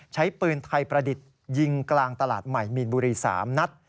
ใช้ปืนไทยประดิษฐ์ยิงกลางตลาดใหม่มีนบุรี๓นัด